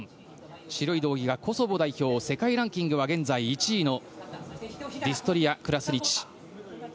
白い道着がコソボ代表世界ランキング現在１位のディストリア・クラスニチ。